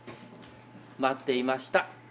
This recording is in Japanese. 待っていました。